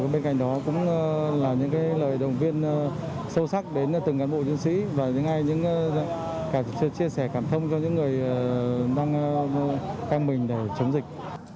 bên cạnh đó cũng là những lời đồng viên sâu sắc đến từng cán bộ dân sĩ và chia sẻ cảm thông cho những người đang quen mình để chống dịch